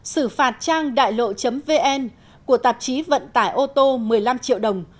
xử phạt trang đại lộ vn của tạp chí vận tải ô tô một mươi năm triệu đồng